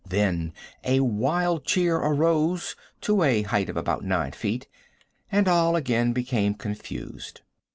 Then a wild cheer arose to a height of about nine feet, and all again became confused.